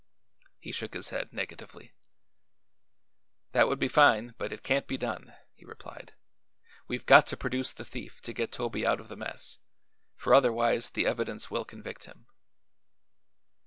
He shook his head negatively. "That would be fine, but it can't be done," he replied. "We've got to produce the thief to get Toby out of the mess, for otherwise the evidence will convict him."